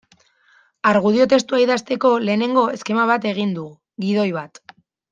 Argudio testua idazteko lehenengo eskema bat egin dugu, gidoi bat.